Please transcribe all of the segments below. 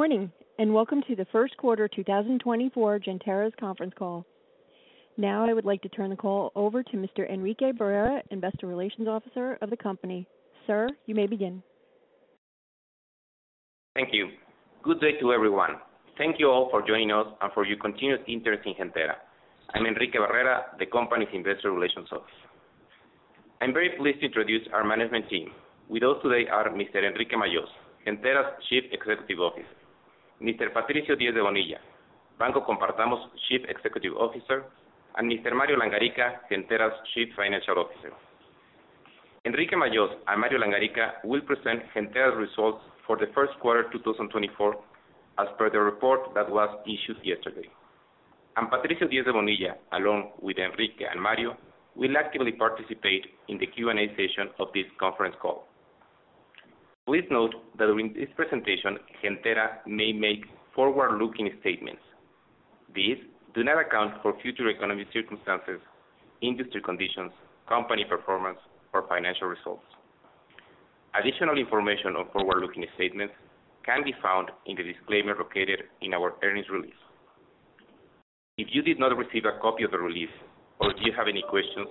Good morning and welcome to the first quarter 2024 Gentera's conference call. Now I would like to turn the call over to Mr. Enrique Barrera, Investor Relations Officer of the company. Sir, you may begin. Thank you. Good day to everyone. Thank you all for joining us and for your continuous interest in Gentera. I'm Enrique Barrera, the company's Investor Relations Officer. I'm very pleased to introduce our management team. With us today are Mr. Enrique Majós, Gentera's Chief Executive Officer, Mr. Patricio Diez de Bonilla, Banco Compartamos' Chief Executive Officer, and Mr. Mario Langarica, Gentera's Chief Financial Officer. Enrique Majós and Mario Langarica will present Gentera's results for the first quarter 2024 as per the report that was issued yesterday. Patricio Diez de Bonilla, along with Enrique and Mario, will actively participate in the Q&A session of this conference call. Please note that during this presentation Gentera may make forward-looking statements. These do not account for future economic circumstances, industry conditions, company performance, or financial results. Additional information on forward-looking statements can be found in the disclaimer located in our earnings release. If you did not receive a copy of the release or if you have any questions,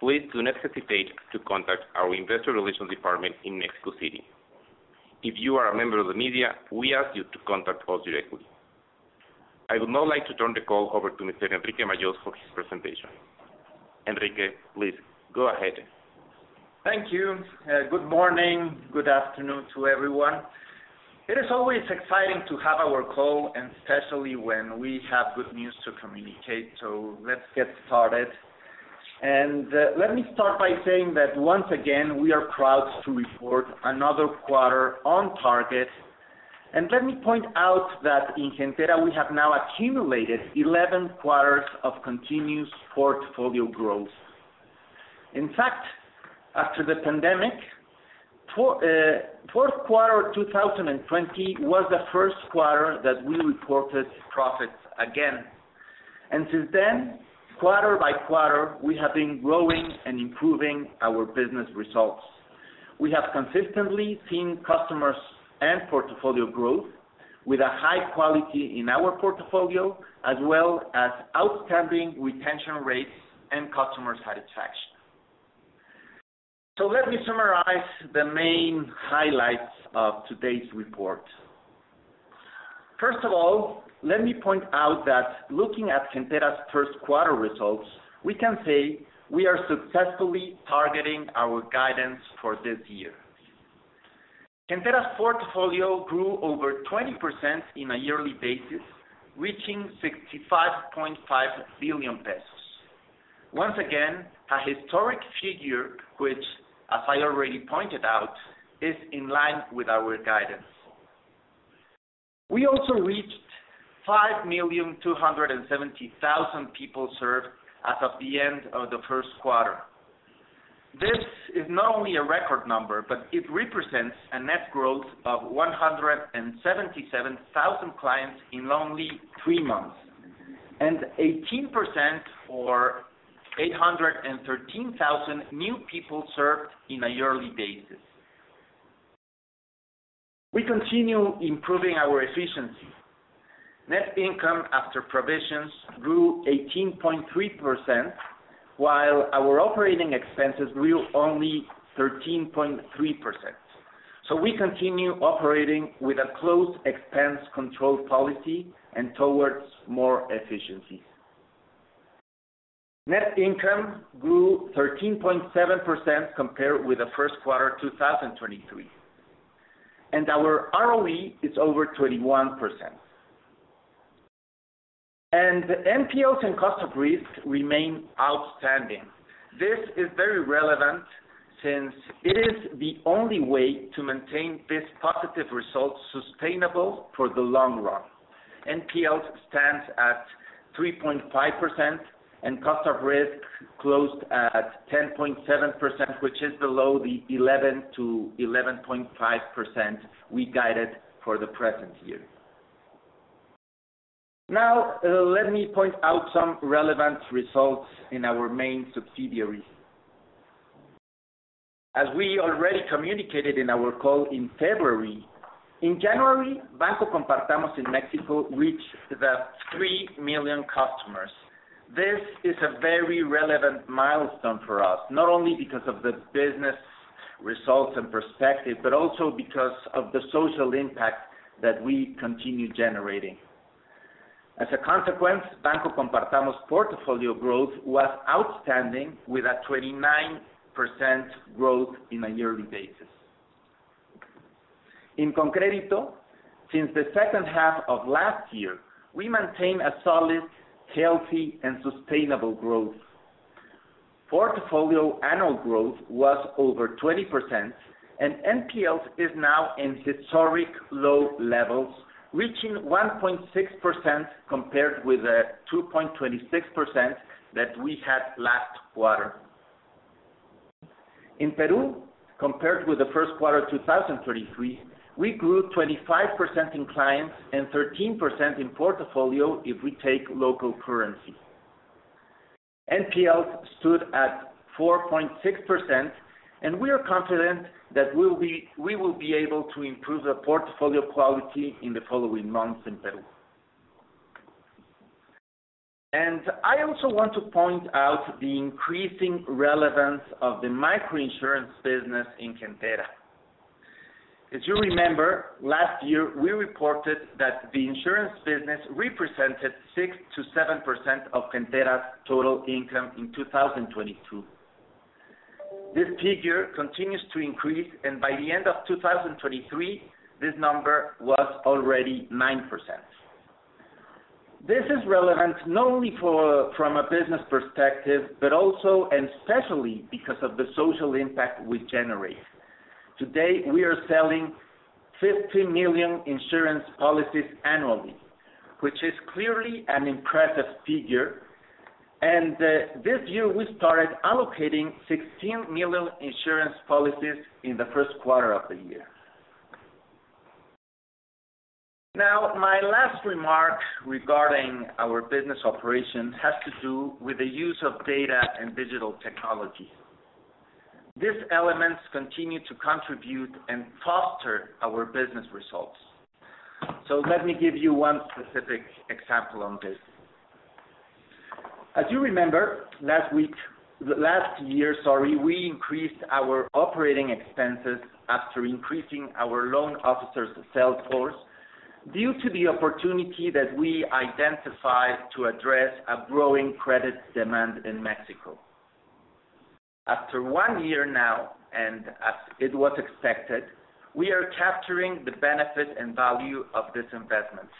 please do not hesitate to contact our Investor Relations Department in Mexico City. If you are a member of the media, we ask you to contact us directly. I would now like to turn the call over to Mr. Enrique Majós for his presentation. Enrique, please go ahead. Thank you. Good morning. Good afternoon to everyone. It is always exciting to have our call, and especially when we have good news to communicate, so let's get started. Let me start by saying that once again we are proud to report another quarter on target, and let me point out that in Gentera we have now accumulated 11 quarters of continuous portfolio growth. In fact, after the pandemic, fourth quarter 2020 was the first quarter that we reported profits again. Since then, quarter by quarter, we have been growing and improving our business results. We have consistently seen customers' and portfolio growth with a high quality in our portfolio, as well as outstanding retention rates and customer satisfaction. Let me summarize the main highlights of today's report. First of all, let me point out that looking at Gentera's first quarter results, we can say we are successfully targeting our guidance for this year. Gentera's portfolio grew over 20% on a yearly basis, reaching 65.5 billion pesos. Once again, a historic figure which, as I already pointed out, is in line with our guidance. We also reached 5,270,000 people served as of the end of the first quarter. This is not only a record number, but it represents a net growth of 177,000 clients in only three months, and 18% or 813,000 new people served on a yearly basis. We continue improving our efficiency. Net income after provisions grew 18.3%, while our operating expenses grew only 13.3%. So we continue operating with a closed expense control policy and towards more efficiencies. Net income grew 13.7% compared with the first quarter 2023, and our ROE is over 21%. NPLs and cost of risk remain outstanding. This is very relevant since it is the only way to maintain these positive results sustainable for the long run. NPLs stand at 3.5%, and cost of risk closed at 10.7%, which is below the 11%-11.5% we guided for the present year. Now let me point out some relevant results in our main subsidiaries. As we already communicated in our call in February, in January, Banco Compartamos in Mexico reached the 3 million customers. This is a very relevant milestone for us, not only because of the business results and perspective, but also because of the social impact that we continue generating. As a consequence, Banco Compartamos' portfolio growth was outstanding with a 29% growth on a yearly basis. In concreto, since the second half of last year, we maintain a solid, healthy, and sustainable growth. Portfolio annual growth was over 20%, and NPLs are now at historic low levels, reaching 1.6% compared with the 2.26% that we had last quarter. In Peru, compared with the first quarter 2023, we grew 25% in clients and 13% in portfolio if we take local currency. NPLs stood at 4.6%, and we are confident that we will be able to improve the portfolio quality in the following months in Peru. I also want to point out the increasing relevance of the microinsurance business in Gentera. As you remember, last year we reported that the insurance business represented 6%-7% of Gentera's total income in 2022. This figure continues to increase, and by the end of 2023, this number was already 9%. This is relevant not only from a business perspective, but also and especially because of the social impact we generate. Today we are selling 50 million insurance policies annually, which is clearly an impressive figure, and this year we started allocating 16 million insurance policies in the first quarter of the year. Now, my last remark regarding our business operation has to do with the use of data and digital technology. These elements continue to contribute and foster our business results. So let me give you one specific example on this. As you remember, last week last year, sorry, we increased our operating expenses after increasing our loan officer's sales force due to the opportunity that we identified to address a growing credit demand in Mexico. After one year now, and as it was expected, we are capturing the benefit and value of this investment.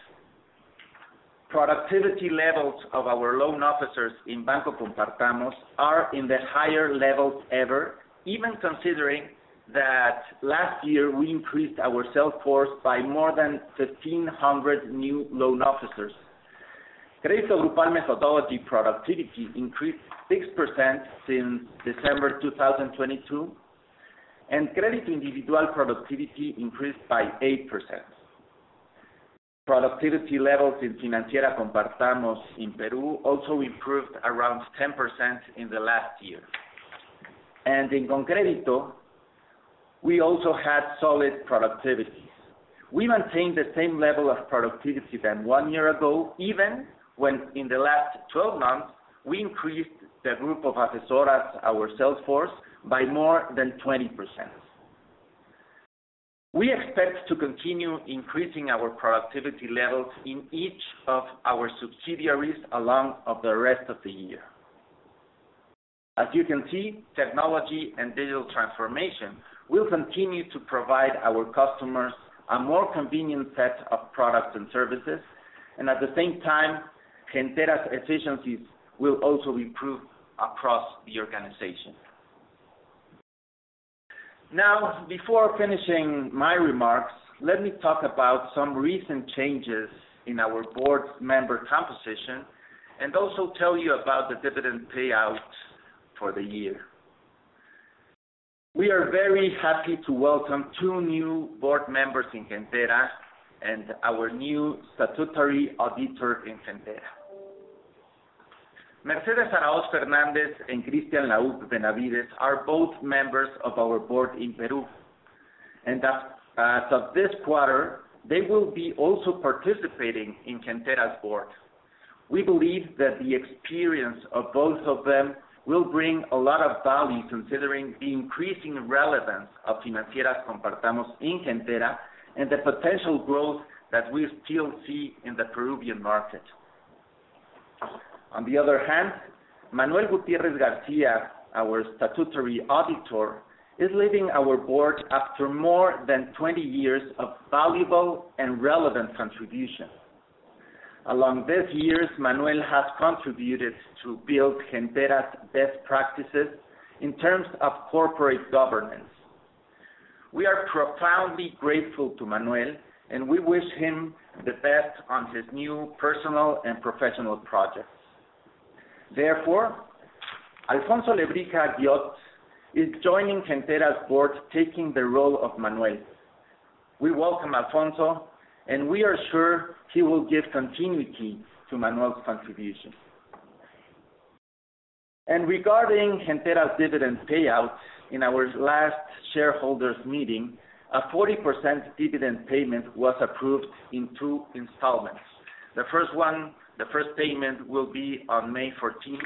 Productivity levels of our loan officers in Banco Compartamos are in the higher levels ever, even considering that last year we increased our sales force by more than 1,500 new loan officers. Crédito Grupal methodology productivity increased 6% since December 2022, and Crédito Individual productivity increased by 8%. Productivity levels in Compartamos Financiera in Peru also improved around 10% in the last year. En ConCrédito, we also had solid productivities. We maintained the same level of productivity than one year ago, even when in the last 12 months we increased the group of asesoras, our sales force, by more than 20%. We expect to continue increasing our productivity levels in each of our subsidiaries along with the rest of the year. As you can see, technology and digital transformation will continue to provide our customers a more convenient set of products and services, and at the same time, Gentera's efficiencies will also improve across the organization. Now, before finishing my remarks, let me talk about some recent changes in our board's member composition and also tell you about the dividend payout for the year. We are very happy to welcome two new board members in Gentera and our new statutory auditor in Gentera. Mercedes Aráoz Fernández and Christian Laub Benavides are both members of our board in Peru, and as of this quarter, they will be also participating in Gentera's board. We believe that the experience of both of them will bring a lot of value considering the increasing relevance of Compartamos Financiera in Gentera and the potential growth that we still see in the Peruvian market. On the other hand, Manuel Gutiérrez García, our statutory auditor, is leaving our board after more than 20 years of valuable and relevant contributions. Along these years, Manuel has contributed to build Gentera's best practices in terms of corporate governance. We are profoundly grateful to Manuel, and we wish him the best on his new personal and professional projects. Therefore, Alfonso Lebrija Guiot is joining Gentera's board, taking the role of Manuel. We welcome Alfonso, and we are sure he will give continuity to Manuel's contribution. Regarding Gentera's dividend payout, in our last shareholders' meeting, a 40% dividend payment was approved in two installments. The first payment will be on May 14th,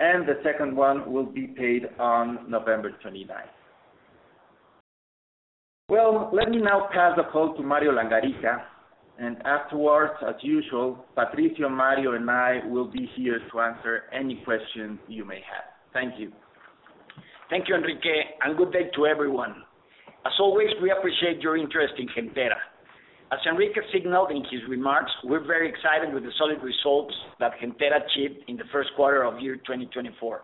and the second one will be paid on November 29th. Well, let me now pass the call to Mario Langarica, and afterwards, as usual, Patricio, Mario, and I will be here to answer any questions you may have. Thank you. Thank you, Enrique, and good day to everyone. As always, we appreciate your interest in Gentera. As Enrique signaled in his remarks, we're very excited with the solid results that Gentera achieved in the first quarter of year 2024,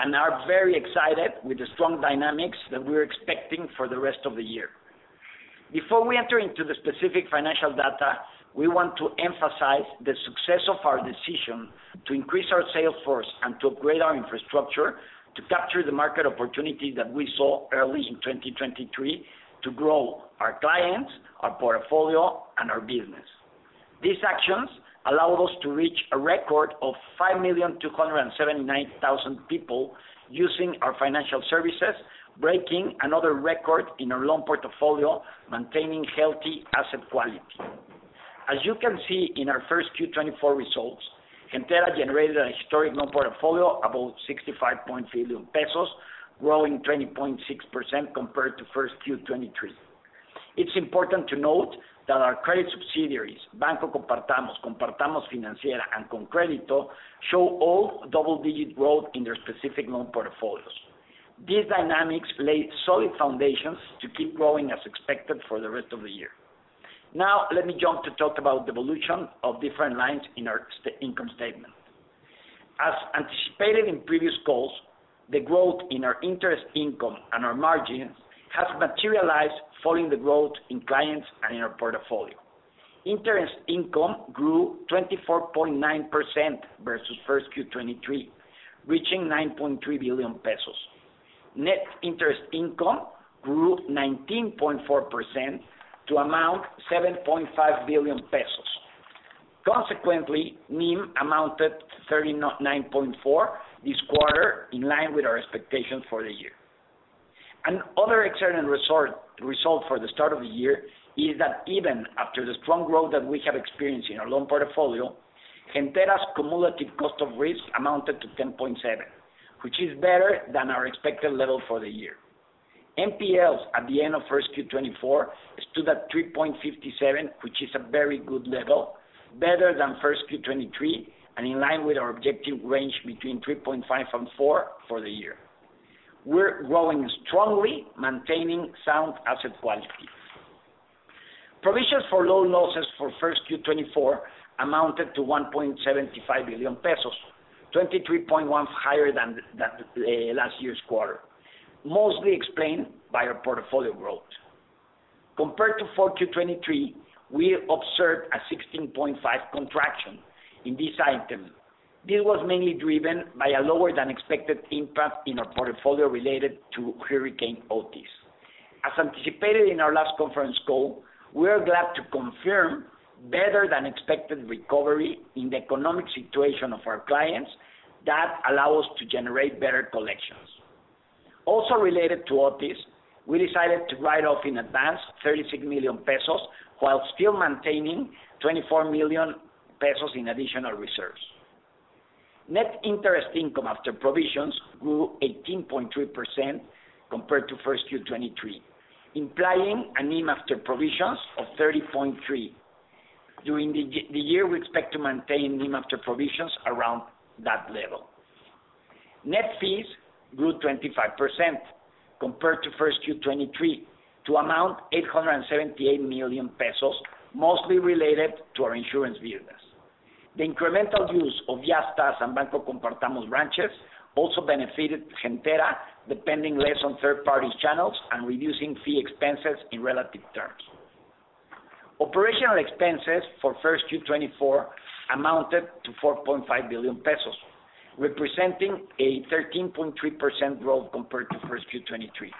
and are very excited with the strong dynamics that we're expecting for the rest of the year. Before we enter into the specific financial data, we want to emphasize the success of our decision to increase our sales force and to upgrade our infrastructure to capture the market opportunities that we saw early in 2023 to grow our clients, our portfolio, and our business. These actions allowed us to reach a record of 5,279,000 people using our financial services, breaking another record in our loan portfolio, maintaining healthy asset quality. As you can see in our Q1 2024 results, Gentera generated a historic loan portfolio of about 65.5 billion pesos, growing 20.6% compared to Q1 2023. It's important to note that our credit subsidiaries, Banco Compartamos, Compartamos Financiera, and ConCrédito, show all double-digit growth in their specific loan portfolios. These dynamics lay solid foundations to keep growing as expected for the rest of the year. Now, let me jump to talk about the evolution of different lines in our income statement. As anticipated in previous calls, the growth in our interest income and our margins has materialized following the growth in clients and in our portfolio. Interest income grew 24.9% versus Q1 2023, reaching 9.3 billion pesos. Net interest income grew 19.4% to amount 7.5 billion pesos. Consequently, NIM amounted to 39.4% this quarter, in line with our expectations for the year. Another excellent result for the start of the year is that even after the strong growth that we have experienced in our loan portfolio, Gentera's cumulative cost of risk amounted to 10.7%, which is better than our expected level for the year. NPLs at the end of Q1 2024 stood at 3.57%, which is a very good level, better than first quarter 2023, and in line with our objective range between 3.5%-4% for the year. We're growing strongly, maintaining sound asset quality. Provisions for loan losses for first quarter 2024 amounted to 1.75 billion pesos, 23.1% higher than last year's quarter, mostly explained by our portfolio growth. Compared to fourth quarter 2023, we observed a 16.5% contraction in this item. This was mainly driven by a lower-than-expected impact in our portfolio related to Hurricane Otis. As anticipated in our last conference call, we are glad to confirm better-than-expected recovery in the economic situation of our clients that allow us to generate better collections. Also related to Otis, we decided to write off in advance 36 million pesos while still maintaining 24 million pesos in additional reserves. Net interest income after provisions grew 18.3% compared to first quarter 2023, implying a NIM after provisions of 30.3%. During the year, we expect to maintain NIM after provisions around that level. Net fees grew 25% compared to first quarter 2023 to amount 878 million pesos, mostly related to our insurance business. The incremental use of Yastás and Banco Compartamos branches also benefited Gentera, depending less on third-party channels and reducing fee expenses in relative terms. Operational expenses for first quarter 2024 amounted to 4.5 billion pesos, representing a 13.3% growth compared to first quarter 2023.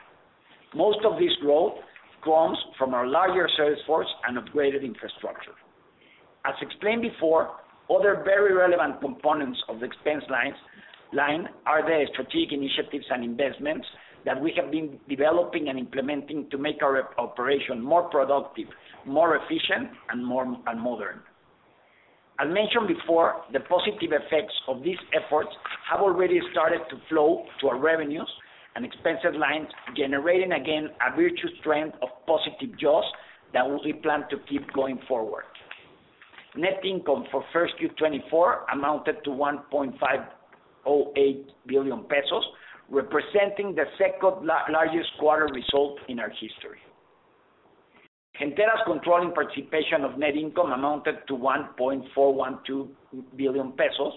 Most of this growth comes from our larger sales force and upgraded infrastructure. As explained before, other very relevant components of the expense line are the strategic initiatives and investments that we have been developing and implementing to make our operation more productive, more efficient, and more modern. As mentioned before, the positive effects of these efforts have already started to flow to our revenues and expenses lines, generating again a virtuous trend of positive jobs that we plan to keep going forward. Net income for Q1 2024 amounted to 1.508 billion pesos, representing the second-largest quarter result in our history. Gentera's controlling participation of net income amounted to 1.412 billion pesos,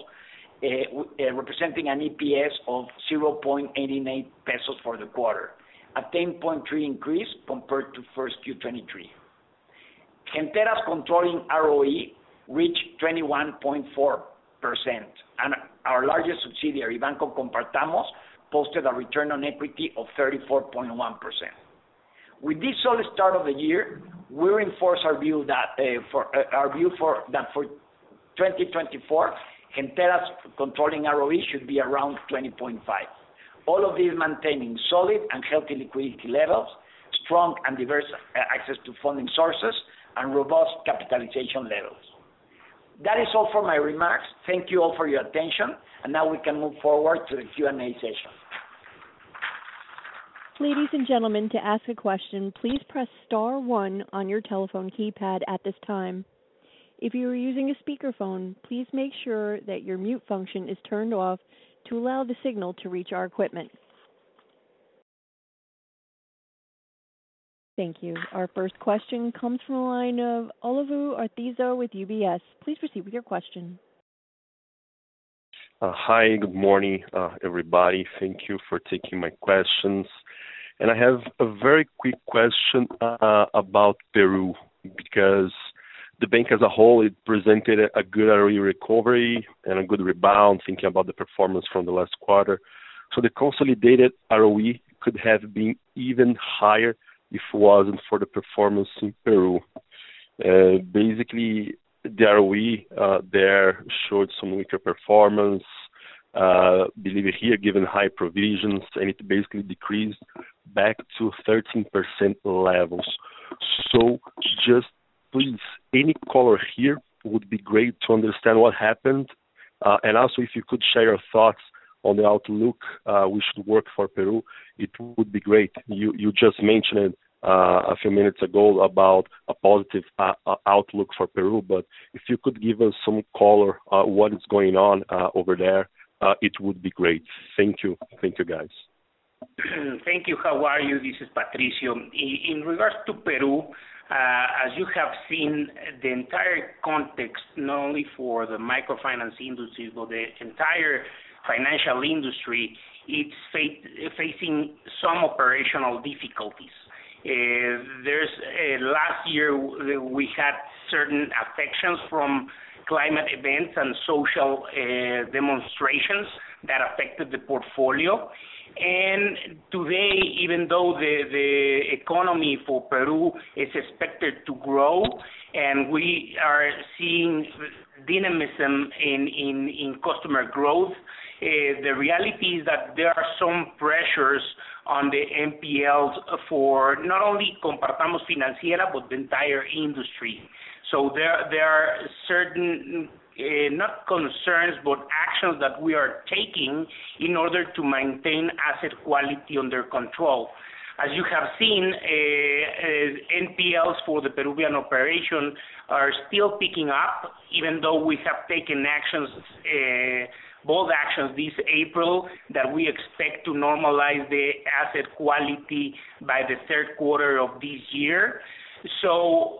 representing an EPS of 0.88 pesos for the quarter, a 10.3% increase compared to Q1 2023. Gentera's controlling ROE reached 21.4%, and our largest subsidiary, Banco Compartamos, posted a return on equity of 34.1%. With this solid start of the year, we reinforce our view that for 2024, Gentera's controlling ROE should be around 20.5%, all of this maintaining solid and healthy liquidity levels, strong and diverse access to funding sources, and robust capitalization levels. That is all for my remarks. Thank you all for your attention, and now we can move forward to the Q&A session. Ladies and gentlemen, to ask a question, please press star one on your telephone keypad at this time. If you are using a speakerphone, please make sure that your mute function is turned off to allow the signal to reach our equipment. Thank you. Our first question comes from a line of Olavo Arthuzo with UBS. Please proceed with your question. Hi. Good morning, everybody. Thank you for taking my questions. I have a very quick question about Peru because the bank as a whole, it presented a good ROE recovery and a good rebound, thinking about the performance from the last quarter. The consolidated ROE could have been even higher if it wasn't for the performance in Peru. Basically, the ROE there showed some weaker performance, I believe here, given high provisions, and it basically decreased back to 13% levels. Just please, any color here would be great to understand what happened. Also, if you could share your thoughts on the outlook we should work for Peru, it would be great. You just mentioned a few minutes ago about a positive outlook for Peru, but if you could give us some color on what is going on over there, it would be great. Thank you. Thank you, guys. Thank you. How are you? This is Patricio. In regards to Peru, as you have seen the entire context, not only for the microfinance industry but the entire financial industry, it's facing some operational difficulties. Last year, we had certain effects from climate events and social demonstrations that affected the portfolio. Today, even though the economy for Peru is expected to grow and we are seeing dynamism in customer growth, the reality is that there are some pressures on the NPLs for not only Compartamos Financiera but the entire industry. There are certain not concerns but actions that we are taking in order to maintain asset quality under control. As you have seen, NPLs for the Peruvian operation are still picking up, even though we have taken actions, bold actions, this April that we expect to normalize the asset quality by the third quarter of this year. So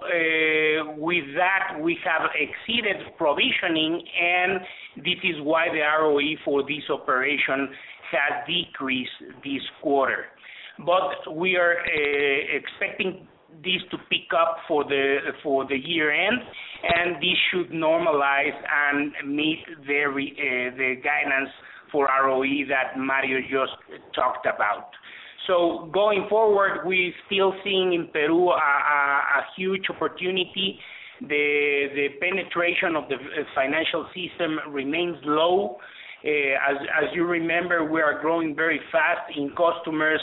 with that, we have exceeded provisioning, and this is why the ROE for this operation has decreased this quarter. But we are expecting this to pick up for the year-end, and this should normalize and meet the guidance for ROE that Mario just talked about. So going forward, we're still seeing in Peru a huge opportunity. The penetration of the financial system remains low. As you remember, we are growing very fast in customers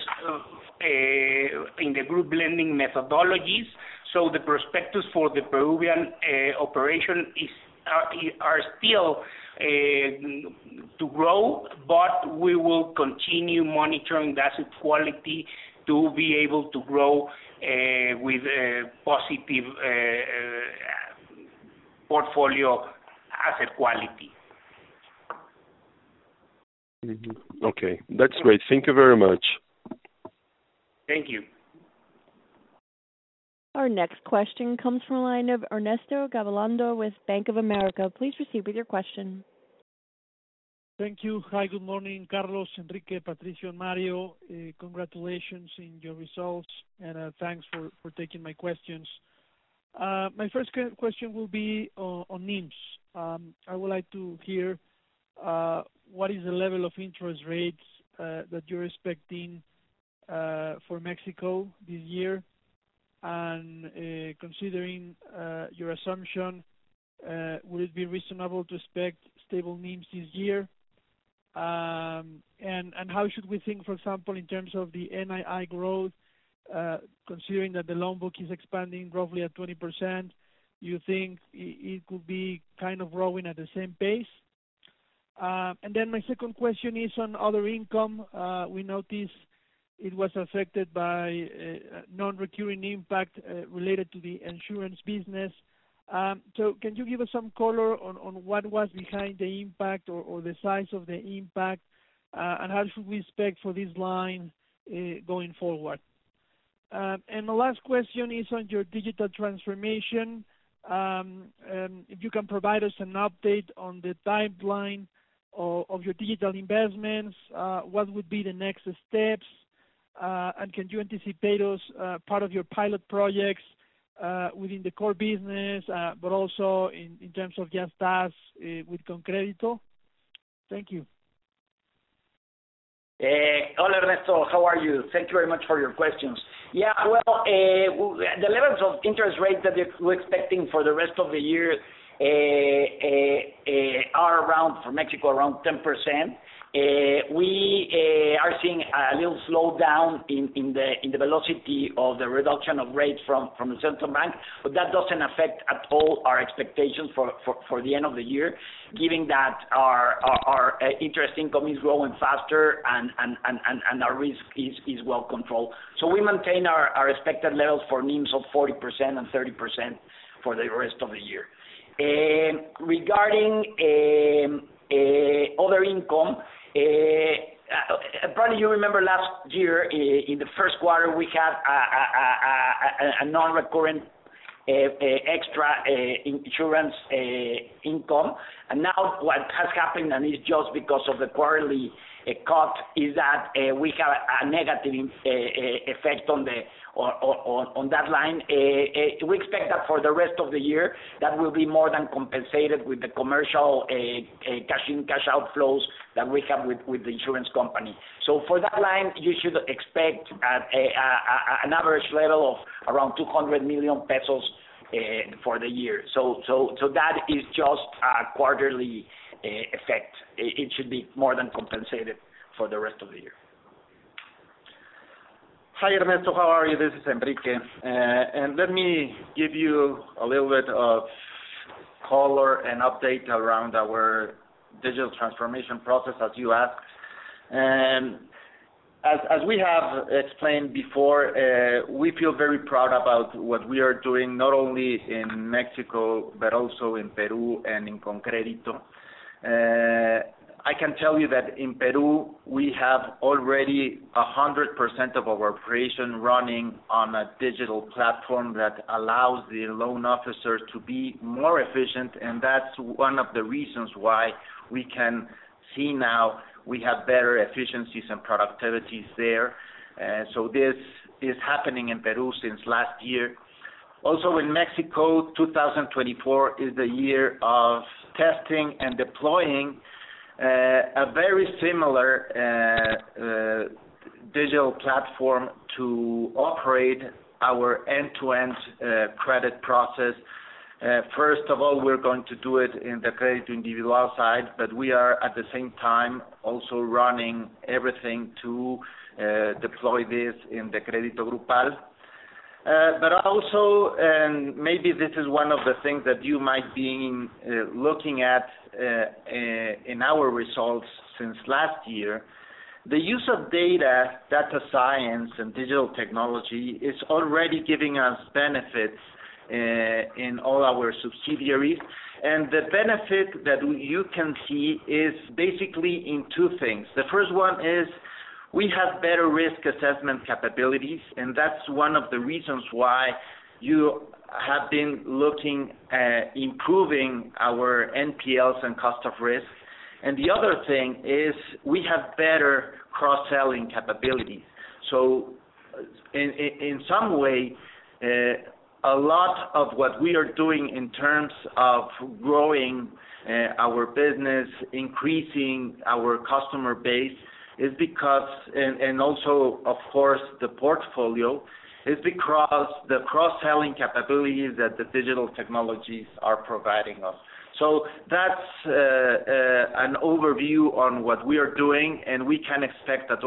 in the group lending methodologies. So the prospects for the Peruvian operation is still to grow, but we will continue monitoring the asset quality to be able to grow with positive portfolio asset quality. Okay. That's great. Thank you very much. Thank you. Our next question comes from a line of Ernesto Gabilondo with Bank of America. Please proceed with your question. Thank you. Hi. Good morning, Carlos, Enrique, Patricio, and Mario. Congratulations on your results, and thanks for taking my questions. My first question will be on NIMS. I would like to hear what is the level of interest rates that you're expecting for Mexico this year. And considering your assumption, would it be reasonable to expect stable NIMS this year? And how should we think, for example, in terms of the NII growth, considering that the loan book is expanding roughly at 20%? Do you think it could be kind of growing at the same pace? And then my second question is on other income. We noticed it was affected by non-recurring impact related to the insurance business. So can you give us some color on what was behind the impact or the size of the impact, and how should we expect for this line going forward? The last question is on your digital transformation. If you can provide us an update on the timeline of your digital investments, what would be the next steps? And can you anticipate us part of your pilot projects within the core business but also in terms of Yastás with ConCrédito? Thank you. Hello, Ernesto. How are you? Thank you very much for your questions. Yeah. Well, the levels of interest rate that we're expecting for the rest of the year are around for Mexico around 10%. We are seeing a little slowdown in the velocity of the reduction of rates from the central bank, but that doesn't affect at all our expectations for the end of the year, given that our interest income is growing faster and our risk is well controlled. So we maintain our expected levels for NIMS of 40% and 30% for the rest of the year. Regarding other income, probably you remember last year, in the first quarter, we had a non-recurrent extra insurance income. And now what has happened, and it's just because of the quarterly cut, is that we have a negative effect on that line. We expect that for the rest of the year, that will be more than compensated with the commercial cash-in, cash-out flows that we have with the insurance company. So for that line, you should expect an average level of around 200 million pesos for the year. So that is just a quarterly effect. It should be more than compensated for the rest of the year. Hi, Ernesto. How are you? This is Enrique. And let me give you a little bit of color and update around our digital transformation process, as you asked. As we have explained before, we feel very proud about what we are doing, not only in Mexico but also in Peru and in ConCrédito. I can tell you that in Peru, we have already 100% of our operation running on a digital platform that allows the loan officer to be more efficient. That's one of the reasons why we can see now we have better efficiencies and productivities there. This is happening in Peru since last year. Also, in Mexico, 2024 is the year of testing and deploying a very similar digital platform to operate our end-to-end credit process. First of all, we're going to do it in the Crédito Individual side, but we are, at the same time, also running everything to deploy this in the Crédito Grupal. But also, and maybe this is one of the things that you might be looking at in our results since last year, the use of data, data science, and digital technology is already giving us benefits in all our subsidiaries. And the benefit that you can see is basically in two things. The first one is we have better risk assessment capabilities, and that's one of the reasons why you have been looking at improving our NPLs and cost of risk. And the other thing is we have better cross-selling capabilities. So in some way, a lot of what we are doing in terms of growing our business, increasing our customer base, and also, of course, the portfolio is because of the cross-selling capabilities that the digital technologies are providing us. So that's an overview on what we are doing, and we can expect that,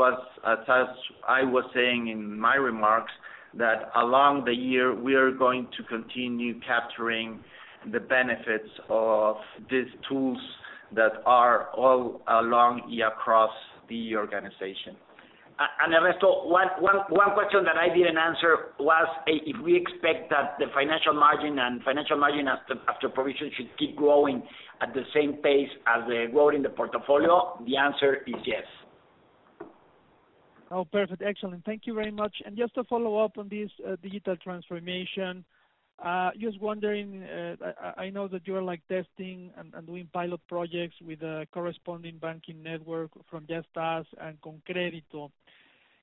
as I was saying in my remarks, that along the year, we are going to continue capturing the benefits of these tools that are all along across the organization. Ernesto, one question that I didn't answer was if we expect that the financial margin and financial margin after provision should keep growing at the same pace as the growth in the portfolio, the answer is yes. Oh, perfect. Excellent. Thank you very much. And just to follow up on this digital transformation, just wondering, I know that you are testing and doing pilot projects with the corresponding banking network from Yastás and ConCrédito.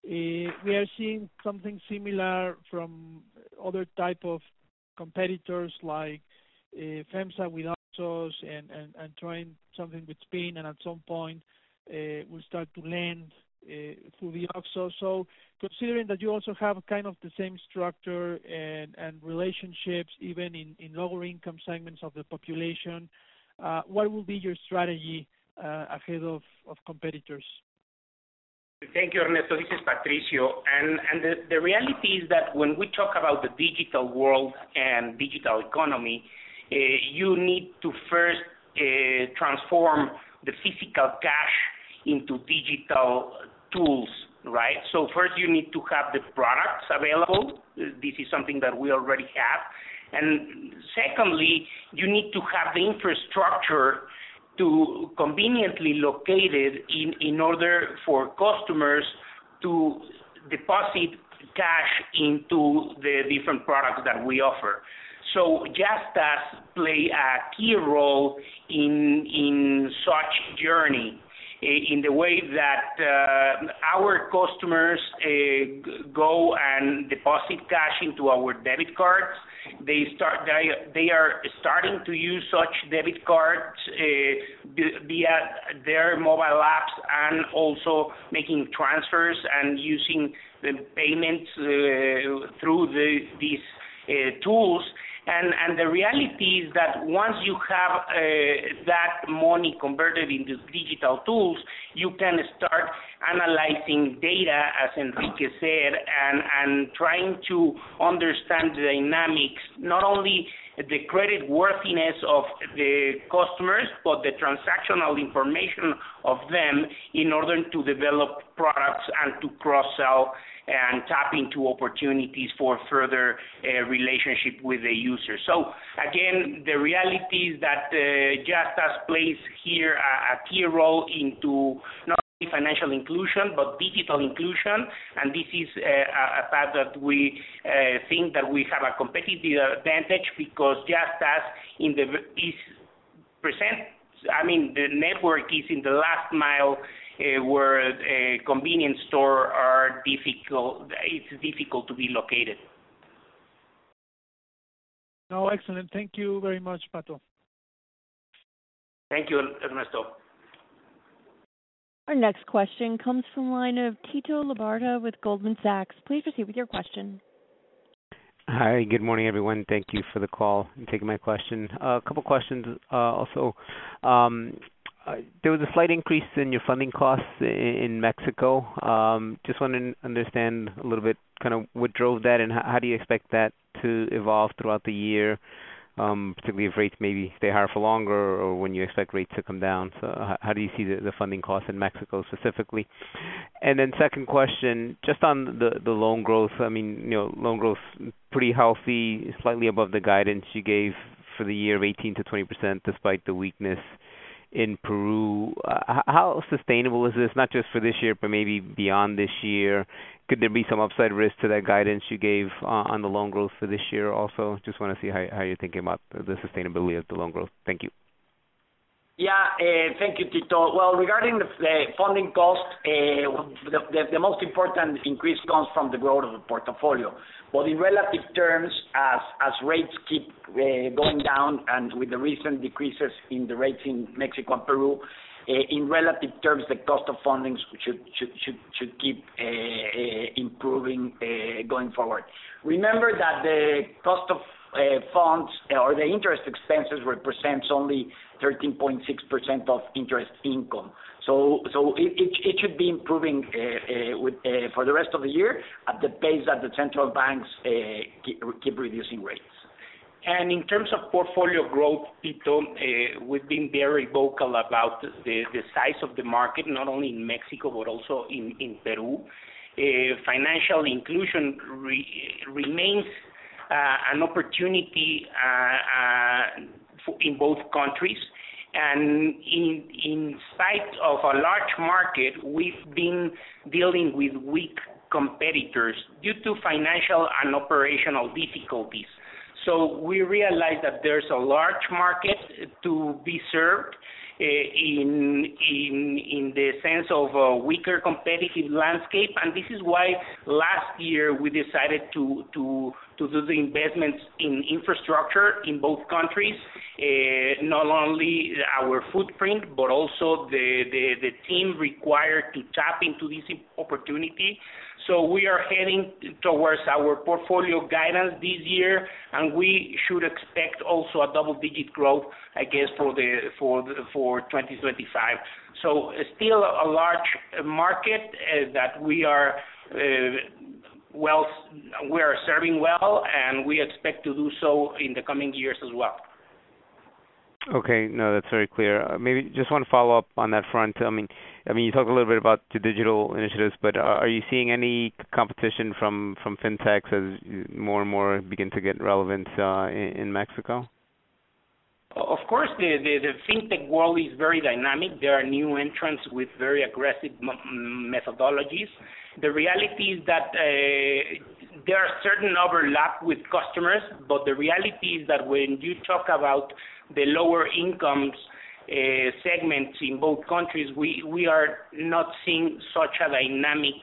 We are seeing something similar from other types of competitors like FEMSA with OXXO and trying something with SPIN, and at some point, we'll start to lend through the OXXO. So considering that you also have kind of the same structure and relationships, even in lower-income segments of the population, what will be your strategy ahead of competitors? Thank you, Ernesto. This is Patricio. And the reality is that when we talk about the digital world and digital economy, you need to first transform the physical cash into digital tools, right? So first, you need to have the products available. This is something that we already have. And secondly, you need to have the infrastructure conveniently located in order for customers to deposit cash into the different products that we offer. So Yastás plays a key role in such a journey in the way that our customers go and deposit cash into our debit cards. They are starting to use such debit cards via their mobile apps and also making transfers and using the payments through these tools. The reality is that once you have that money converted into digital tools, you can start analyzing data, as Enrique said, and trying to understand the dynamics, not only the creditworthiness of the customers but the transactional information of them in order to develop products and to cross-sell and tap into opportunities for further relationship with the user. So again, the reality is that Yastás plays here a key role into not only financial inclusion but digital inclusion. And this is a path that we think that we have a competitive advantage because Yastás, I mean, the network is in the last mile where convenience stores are difficult. It's difficult to be located. Oh, excellent. Thank you very much, Pato. Thank you, Ernesto. Our next question comes from a line of Tito Labarta with Goldman Sachs. Please proceed with your question. Hi. Good morning, everyone. Thank you for the call and taking my question. A couple of questions also. There was a slight increase in your funding costs in Mexico. Just want to understand a little bit kind of what drove that, and how do you expect that to evolve throughout the year, particularly if rates maybe stay higher for longer or when you expect rates to come down? So how do you see the funding costs in Mexico specifically? And then second question, just on the loan growth. I mean, loan growth pretty healthy, slightly above the guidance you gave for the year of 18%-20% despite the weakness in Peru. How sustainable is this, not just for this year but maybe beyond this year? Could there be some upside risk to that guidance you gave on the loan growth for this year also? Just want to see how you're thinking about the sustainability of the loan growth. Thank you. Yeah. Thank you, Tito. Well, regarding the funding cost, the most important. Increased funds from the growth of the portfolio. But in relative terms, as rates keep going down and with the recent decreases in the rates in Mexico and Peru, in relative terms, the cost of funds should keep improving going forward. Remember that the cost of funds or the interest expenses represents only 13.6% of interest income. So it should be improving for the rest of the year at the pace that the central banks keep reducing rates. In terms of portfolio growth, Tito, we've been very vocal about the size of the market, not only in Mexico but also in Peru. Financial inclusion remains an opportunity in both countries. In spite of a large market, we've been dealing with weak competitors due to financial and operational difficulties. We realize that there's a large market to be served in the sense of a weaker competitive landscape. This is why last year, we decided to do the investments in infrastructure in both countries, not only our footprint but also the team required to tap into this opportunity. We are heading towards our portfolio guidance this year, and we should expect also a double-digit growth, I guess, for 2025. Still a large market that we are serving well, and we expect to do so in the coming years as well. Okay. No, that's very clear. Maybe just want to follow up on that front. I mean, you talked a little bit about the digital initiatives, but are you seeing any competition from fintechs as more and more begin to get relevant in Mexico? Of course. The fintech world is very dynamic. There are new entrants with very aggressive methodologies. The reality is that there are certain overlaps with customers, but the reality is that when you talk about the lower-income segments in both countries, we are not seeing such a dynamic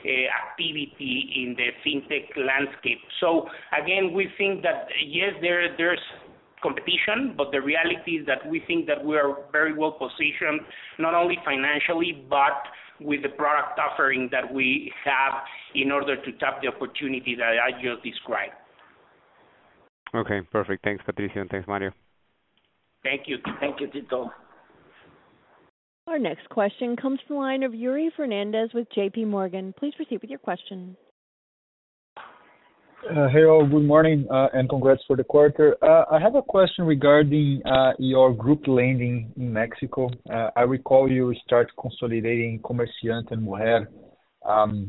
activity in the fintech landscape. So again, we think that, yes, there's competition, but the reality is that we think that we are very well positioned, not only financially but with the product offering that we have in order to tap the opportunity that I just described. Okay. Perfect. Thanks, Patricio, and thanks, Mario. Thank you. Thank you, Tito. Our next question comes from a line of Yuri Fernandes with JPMorgan. Please proceed with your question. Hello. Good morning and congrats for the quarter. I have a question regarding your group lending in Mexico. I recall you started consolidating Comerciante and Mujer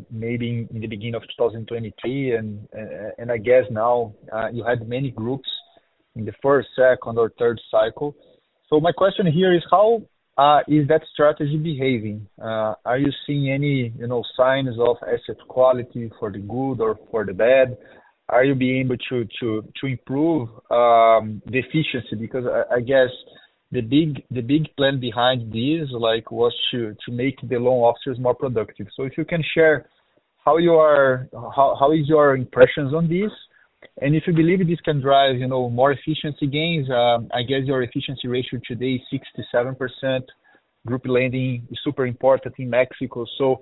maybe in the beginning of 2023, and I guess now you had many groups in the first, second, or third cycle. So my question here is, how is that strategy behaving? Are you seeing any signs of asset quality for the good or for the bad? Are you being able to improve the efficiency? Because I guess the big plan behind this was to make the loan officers more productive. So if you can share how is your impressions on this, and if you believe this can drive more efficiency gains, I guess your efficiency ratio today is 6%-7%. Group lending is super important in Mexico. So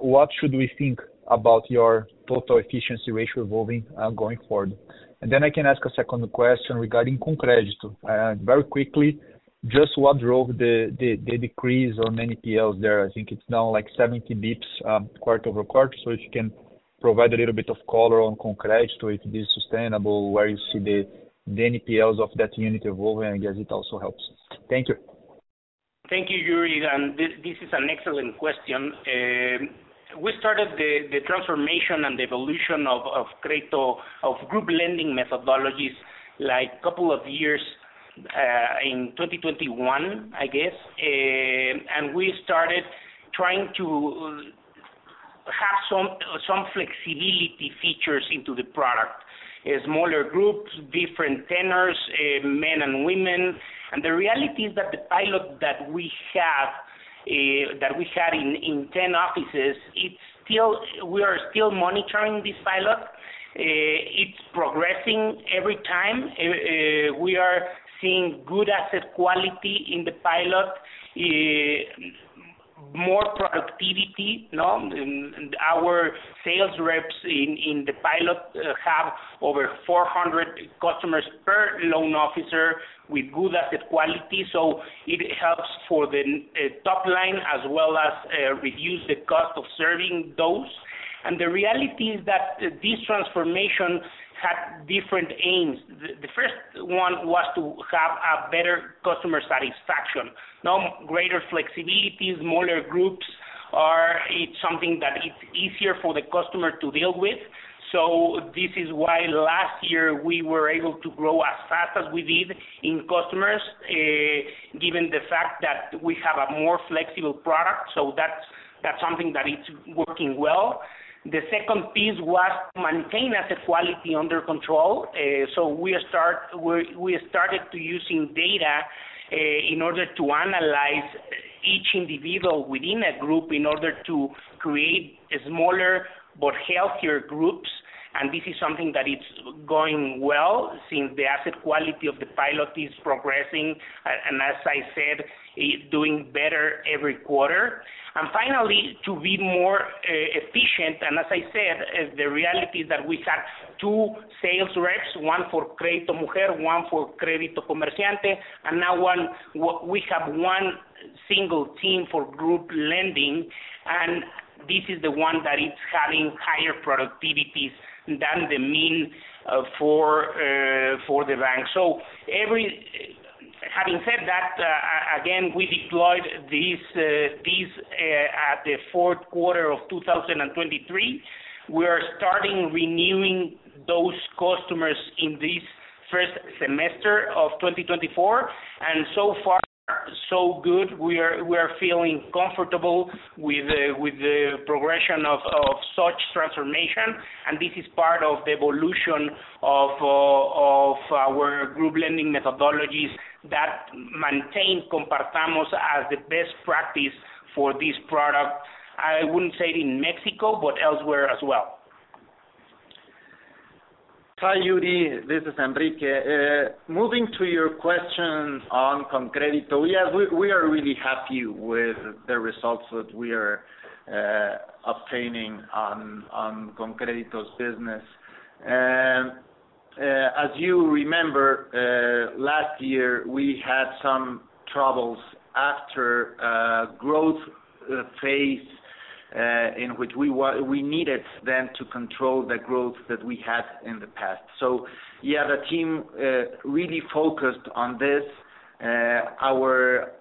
what should we think about your total efficiency ratio evolving going forward? Then I can ask a second question regarding ConCrédito. Very quickly, just what drove the decrease on NPLs there? I think it's now like 70 bps quarter-over-quarter. So if you can provide a little bit of color on ConCrédito, if it is sustainable, where you see the NPLs of that unit evolving, I guess it also helps. Thank you. Thank you, Yuri. And this is an excellent question. We started the transformation and the evolution of group lending methodologies a couple of years in 2021, I guess. And we started trying to have some flexibility features into the product: smaller groups, different tenors, men and women. And the reality is that the pilot that we had in 10 offices, we are still monitoring this pilot. It's progressing every time. We are seeing good asset quality in the pilot, more productivity. Our sales reps in the pilot have over 400 customers per loan officer with good asset quality. So it helps for the top line as well as reduce the cost of serving those. And the reality is that this transformation had different aims. The first one was to have better customer satisfaction. Greater flexibility, smaller groups, it's something that it's easier for the customer to deal with. So this is why last year, we were able to grow as fast as we did in customers given the fact that we have a more flexible product. So that's something that it's working well. The second piece was to maintain asset quality under control. So we started using data in order to analyze each individual within a group in order to create smaller but healthier groups. And this is something that it's going well since the asset quality of the pilot is progressing and, as I said, doing better every quarter. And finally, to be more efficient, and as I said, the reality is that we had two sales reps, one for Crédito Mujer, one for Crédito Comerciante, and now we have one single team for group lending. And this is the one that is having higher productivities than the mean for the bank. So having said that, again, we deployed this at the fourth quarter of 2023. We are starting renewing those customers in this first semester of 2024. So far, so good. We are feeling comfortable with the progression of such transformation. This is part of the evolution of our group lending methodologies that maintain Compartamos as the best practice for this product. I wouldn't say it in Mexico, but elsewhere as well. Hi, Yuri. This is Enrique. Moving to your question on ConCrédito, yes, we are really happy with the results that we are obtaining on ConCrédito's business. As you remember, last year, we had some troubles after a growth phase in which we needed then to control the growth that we had in the past. So yeah, the team really focused on this. Our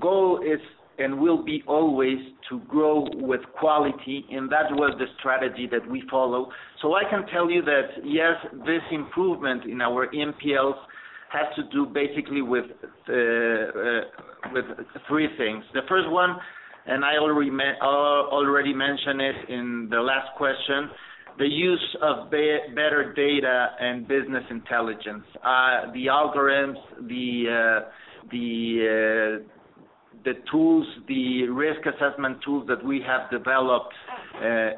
goal is and will be always to grow with quality, and that was the strategy that we follow. So I can tell you that, yes, this improvement in our NPLs has to do basically with three things. The first one, and I already mentioned it in the last question, the use of better data and business intelligence, the algorithms, the tools, the risk assessment tools that we have developed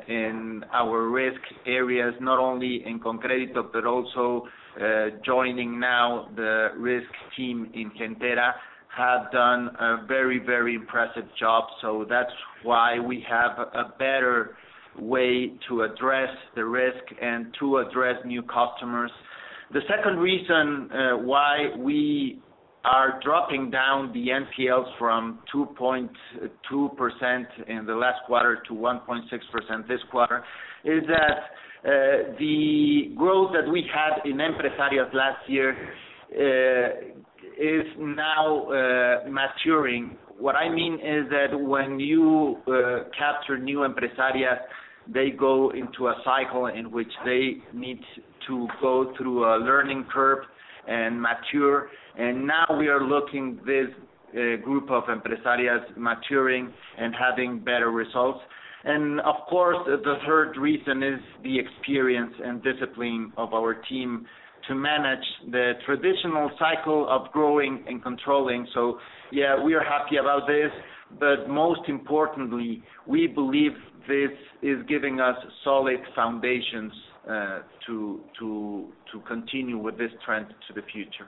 in our risk areas, not only in ConCrédito but also joining now the risk team in Gentera, have done a very, very impressive job. So that's why we have a better way to address the risk and to address new customers. The second reason why we are dropping down the NPLs from 2.2% in the last quarter to 1.6% this quarter is that the growth that we had in empresarias last year is now maturing. What I mean is that when you capture new empresarias, they go into a cycle in which they need to go through a learning curve and mature. And now we are looking at this group of empresarias maturing and having better results. Of course, the third reason is the experience and discipline of our team to manage the traditional cycle of growing and controlling. So yeah, we are happy about this. Most importantly, we believe this is giving us solid foundations to continue with this trend to the future.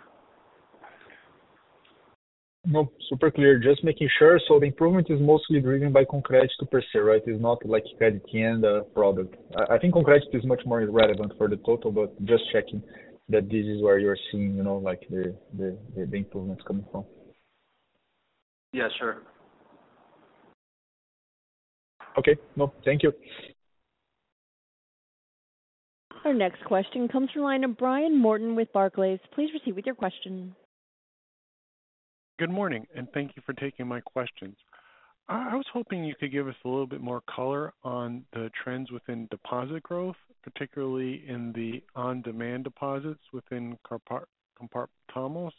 Nope. Super clear. Just making sure. So the improvement is mostly driven by ConCrédito per se, right? It's not like crédito individual product. I think ConCrédito is much more relevant for the total, but just checking that this is where you are seeing the improvements coming from. Yeah. Sure. Okay. Nope. Thank you. Our next question comes from a line of Brian Morton with Barclays. Please proceed with your question. Good morning, and thank you for taking my questions. I was hoping you could give us a little bit more color on the trends within deposit growth, particularly in the on-demand deposits within Compartamos.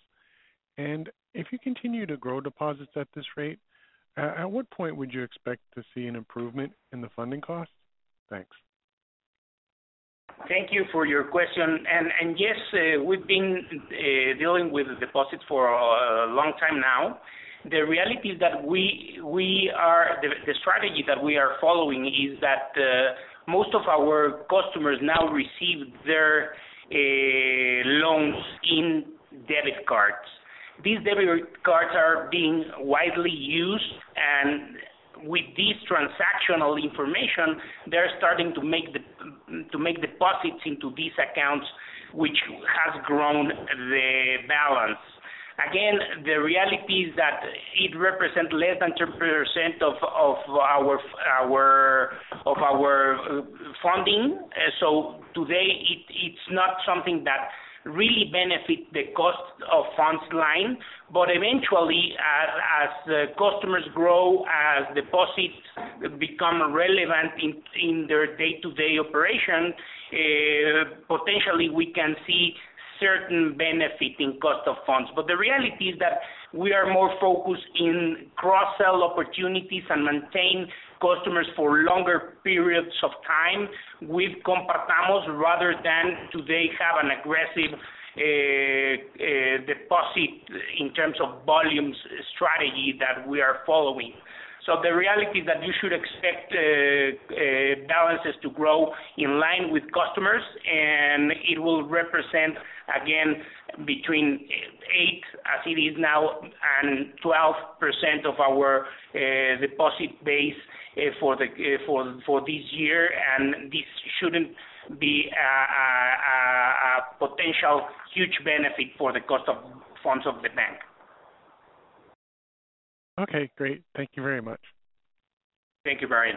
If you continue to grow deposits at this rate, at what point would you expect to see an improvement in the funding costs? Thanks. Thank you for your question. Yes, we've been dealing with deposits for a long time now. The reality is that the strategy that we are following is that most of our customers now receive their loans in debit cards. These debit cards are being widely used, and with this transactional information, they're starting to make deposits into these accounts, which has grown the balance. Again, the reality is that it represents less than 10% of our funding. So today, it's not something that really benefits the cost of funds line. But eventually, as customers grow, as deposits become relevant in their day-to-day operation, potentially, we can see certain benefit in cost of funds. The reality is that we are more focused in cross-sell opportunities and maintain customers for longer periods of time with Compartamos rather than to have an aggressive deposit in terms of volumes strategy that we are following. The reality is that you should expect balances to grow in line with customers, and it will represent, again, between eight, as it is now, and 12% of our deposit base for this year. This shouldn't be a potential huge benefit for the cost of funds of the bank. Okay. Great. Thank you very much. Thank you, Brian.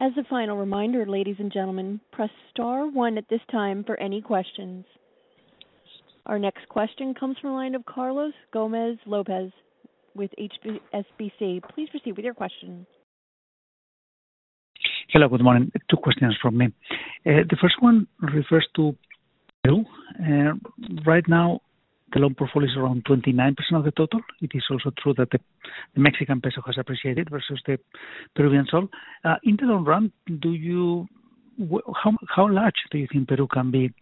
As a final reminder, ladies and gentlemen, press star one at this time for any questions. Our next question comes from a line of Carlos Gomez-Lopez with HSBC. Please proceed with your question. Hello. Good morning. Two questions from me. The first one refers to Peru. Right now, the loan portfolio is around 29% of the total. It is also true that the Mexican peso has appreciated versus the Peruvian sol. In the long run, how large do you think Peru can be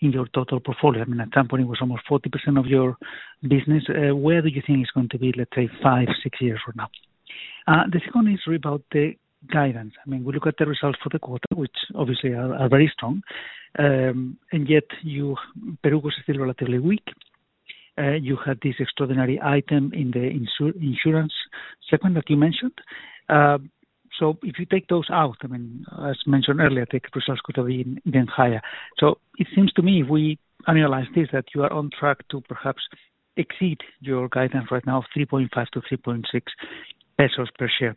in your total portfolio? I mean, at some point, it was almost 40% of your business. Where do you think it's going to be, let's say, five, six years from now? The second is about the guidance. I mean, we look at the results for the quarter, which obviously are very strong. And yet, Peru was still relatively weak. You had this extraordinary item in the insurance segment that you mentioned. So if you take those out, I mean, as mentioned earlier, the results could have been even higher. So it seems to me, if we analyze this, that you are on track to perhaps exceed your guidance right now of 3.5-3.6 pesos per share.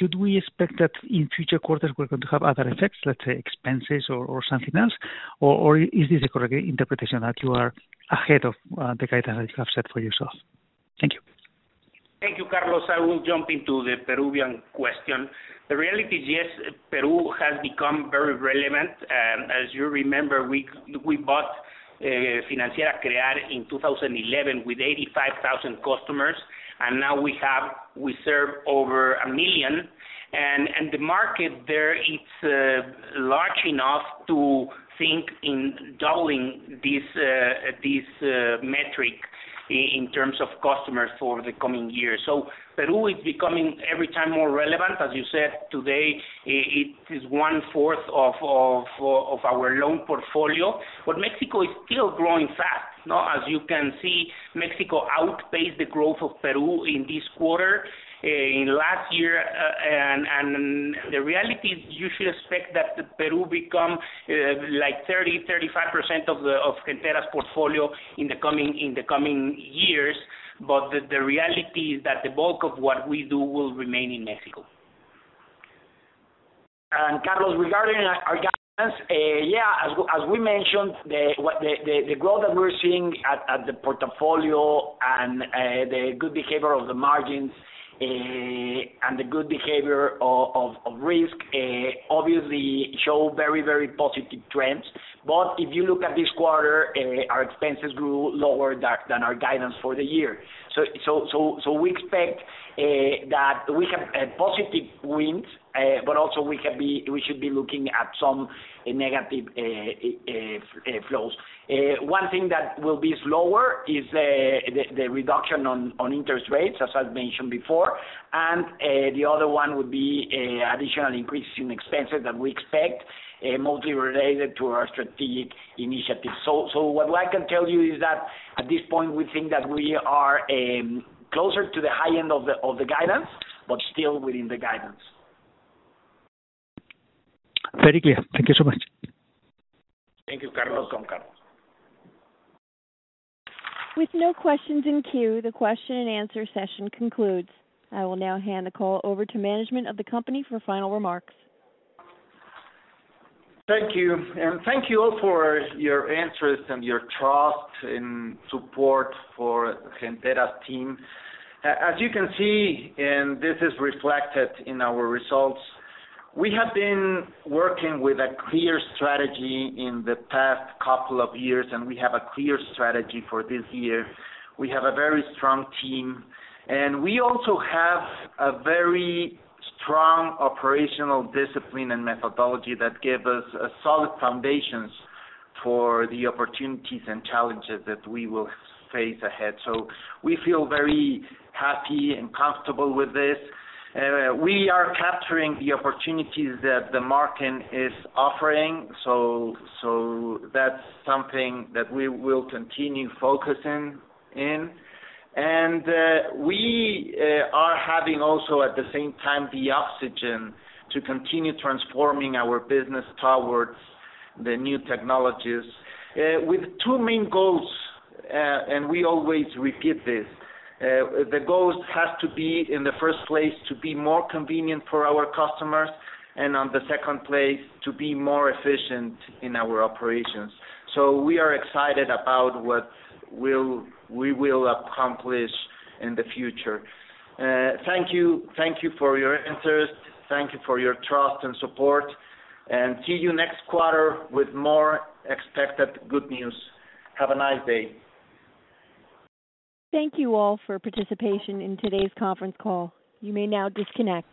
Should we expect that in future quarters, we're going to have other effects, let's say, expenses or something else? Or is this a correct interpretation that you are ahead of the guidance that you have set for yourself? Thank you. Thank you, Carlos. I will jump into the Peruvian question. The reality is, yes, Peru has become very relevant. As you remember, we bought Financiera Crear in 2011 with 85,000 customers. And now, we serve over 1 million. And the market there, it's large enough to think in doubling this metric in terms of customers for the coming years. So Peru is becoming every time more relevant. As you said, today, it is 25% of our loan portfolio. But Mexico is still growing fast. As you can see, Mexico outpaced the growth of Peru in this quarter in last year. And the reality is you should expect that Peru become like 30%-35% of Gentera's portfolio in the coming years. But the reality is that the bulk of what we do will remain in Mexico. And Carlos, regarding our guidance, yeah, as we mentioned, the growth that we're seeing at the portfolio and the good behavior of the margins and the good behavior of risk obviously show very, very positive trends. But if you look at this quarter, our expenses grew lower than our guidance for the year. So we expect that we have positive winds, but also, we should be looking at some negative flows. One thing that will be slower is the reduction on interest rates, as I've mentioned before. And the other one would be additional increases in expenses that we expect mostly related to our strategic initiative. So what I can tell you is that at this point, we think that we are closer to the high end of the guidance but still within the guidance. Very clear. Thank you so much. Thank you, Carlos. Welcome, Carlos. With no questions in queue, the question-and-answer session concludes. I will now hand the call over to management of the company for final remarks. Thank you. Thank you all for your interest and your trust and support for Gentera's team. As you can see, and this is reflected in our results, we have been working with a clear strategy in the past couple of years, and we have a clear strategy for this year. We have a very strong team. We also have a very strong operational discipline and methodology that give us solid foundations for the opportunities and challenges that we will face ahead. We feel very happy and comfortable with this. We are capturing the opportunities that the market is offering. That's something that we will continue focusing in. We are having also, at the same time, the oxygen to continue transforming our business towards the new technologies with two main goals. We always repeat this. The goal has to be, in the first place, to be more convenient for our customers and, in the second place, to be more efficient in our operations. So we are excited about what we will accomplish in the future. Thank you for your interest. Thank you for your trust and support. And see you next quarter with more expected good news. Have a nice day. Thank you all for participation in today's conference call. You may now disconnect.